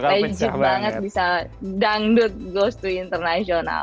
legit banget bisa dangdut ghost to international